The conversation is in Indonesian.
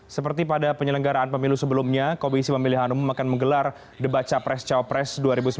seperti pada penyelenggaraan pemilu sebelumnya komisi pemilihan umum akan menggelar debat capres cawapres dua ribu sembilan belas